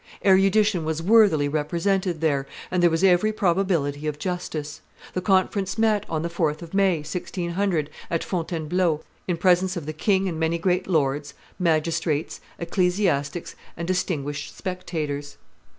Erudition was worthily represented there, and there was every probability of justice. The conference met on the 4th of May, 1600, at Fontainebleau, in presence of the king and many great lords, magistrates, ecclesiastics, and distinguished spectators.